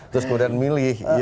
terus kemudian milih